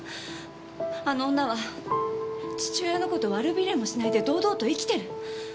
あの女は父親の事悪びれもしないで堂々と生きてる。